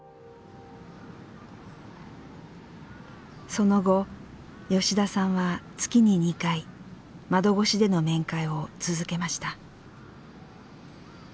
その後吉田さんは月に２回窓越しでの面会を続けました。